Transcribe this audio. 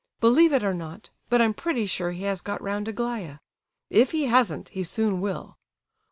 Believe it or not, but I'm pretty sure he has got round Aglaya. If he hasn't, he soon will.